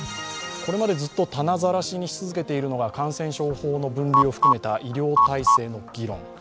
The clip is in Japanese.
これまでたなざらしにしてきたのが感染症法の分類を含めた医療体制の議論。